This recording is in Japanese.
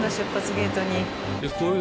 ゲートに。